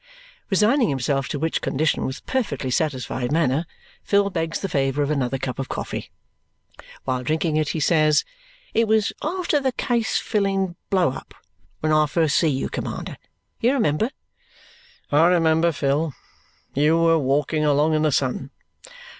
Resigning himself to which condition with a perfectly satisfied manner, Phil begs the favour of another cup of coffee. While drinking it, he says, "It was after the case filling blow up when I first see you, commander. You remember?" "I remember, Phil. You were walking along in the sun."